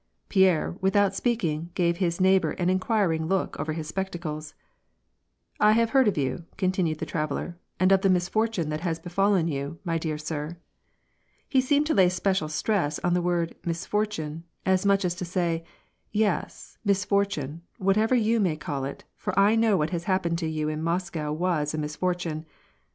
Pierre, without speaking, gave his neighbor an inquiring look over his spectacles. " I have heard of you," continued the traveller, " and of the misfortune that has befallen you, my dear sir." He seemed to lay a special stress on the word, " misfor tune," as much as to say : Yes, misfortune, whatever you may call it, for I know that what happened to you in Moscow was a misfortune.